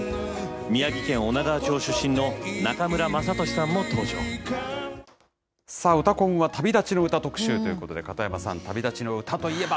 宮城県女川町出身の中村雅俊さんさあ、うたコンは旅立ちの歌特集ということで、片山さん、旅立ちの歌といえば？